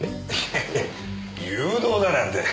いやいや誘導だなんて。